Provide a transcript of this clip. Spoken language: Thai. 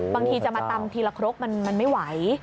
บางทีจะมาตำทีละครกมันไม่ไหว